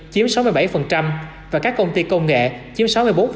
chiếm sáu mươi bảy và các công ty công nghệ chiếm sáu mươi bốn